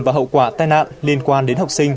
và hậu quả tai nạn liên quan đến học sinh